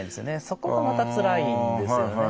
そこがまたつらいんですよね。